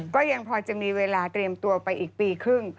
ก็ยังพอจะมีเวลาเตรียมตัวไปอีกปีครึ่ง